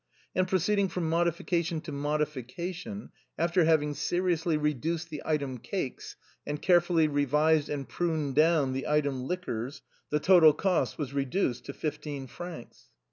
And proceeding from modification to modification, after having seriously reduced the item " cakes," and care fully revised and pruned down the item " liquors," the total cost was reduced to fifteen francs.